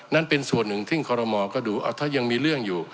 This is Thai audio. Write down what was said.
นั่นเป็นส่วนหนึ่งที่คอรมอก็ดูเอาถ้ายังมีเรื่องอยู่